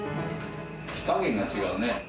火加減が違うね。